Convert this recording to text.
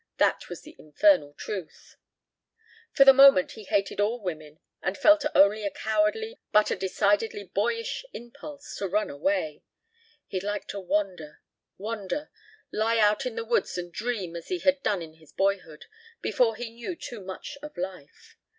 That was the infernal truth. For the moment he hated all women and felt not only a cowardly but a decidedly boyish impulse to run away. He'd like to wander ... wander ... lie out in the woods and dream as he had done in his boyhood ... before he knew too much of life ...